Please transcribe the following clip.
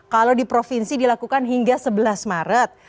kalau di provinsi dilakukan hingga sebelas maret